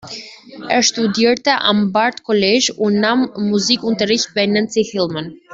Er studierte am Bard College und nahm Musikunterricht bei Nancy Hillman.